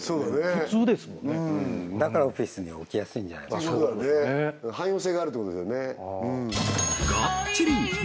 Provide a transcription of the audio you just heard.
普通ですもんねうんだからオフィスに置きやすいんじゃないですかそうだね汎用性があるってことですよね